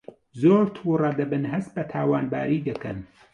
زۆر تووڕە دەبن هەست بە تاوانباری دەکەن